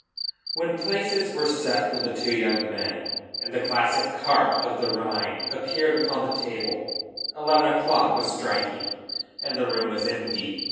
When places were set for the two young men, and the classic carp of the Rhine appeared upon the table, eleven o'clock was striking and the room was empty.